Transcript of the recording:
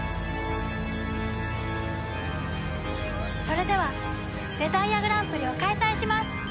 それではデザイアグランプリを開催します。